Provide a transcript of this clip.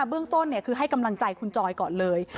เบื้องต้นคือให้กำลังใจคุณจอยก่อนเลย